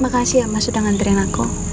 makasih ya masudang andren aku